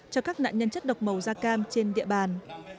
cho các nạn nhân chất độc màu da cam trên địa bàn